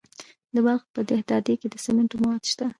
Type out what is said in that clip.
د بلخ په دهدادي کې د سمنټو مواد شته.